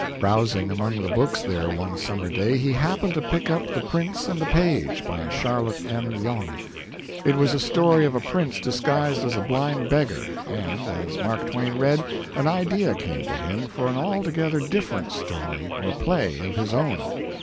Browsing among the books there one summer day, he happened to pick up "The Prince and the Page," by Charlotte M. Yonge. It was a story of a prince disguised as a blind beggar, and, as Mark Twain read, an idea came to him for an altogether different story, or play, of his own.